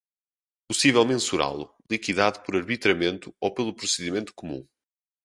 possível mensurá-lo, liquidado por arbitramento ou pelo procedimento comum